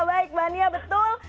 baik mbak nia betul